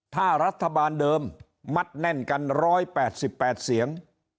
ถ้ารัฐบาลเดิมมัดแน่นกัน๑๘๘เสียง